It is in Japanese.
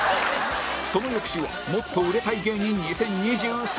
その翌週はもっと売れたい芸人２０２３